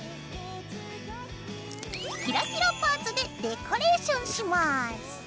キラキラパーツでデコレーションします。